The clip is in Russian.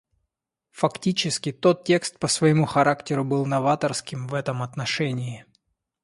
Фактически, тот текст по своему характеру был новаторским в этом отношении.